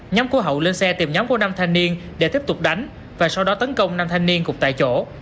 nhóm của hậu lên xe tìm nhóm của năm thanh niên để tiếp tục đánh và sau đó tấn công năm thanh niên cục tại chỗ